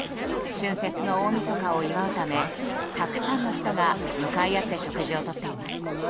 春節の大みそかを祝うためたくさんの人が向かい合って食事をとっています。